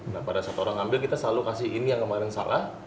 nah pada saat orang ngambil kita selalu kasih ini yang kemarin salah